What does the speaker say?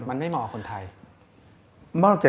มันไม่เหมาะกับคนไทย